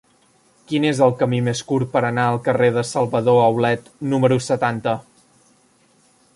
Quin és el camí més curt per anar al carrer de Salvador Aulet número setanta?